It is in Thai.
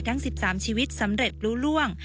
ทั้ง๑๓ชีวิตสำเร็จรู้ล่วง